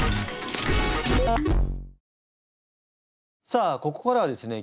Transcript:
さあここからはですね